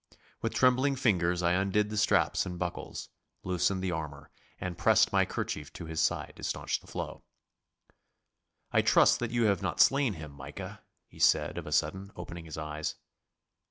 With trembling fingers I undid the straps and buckles, loosened the armour, and pressed my kerchief to his side to staunch the flow. 'I trust that you have not slain him, Micah,' he said of a sudden, opening his eyes.